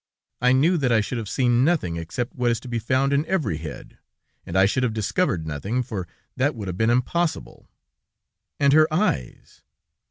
I knew that I should have seen nothing except what is to be found in every head, and I should have discovered nothing, for that would have been impossible. And her eyes!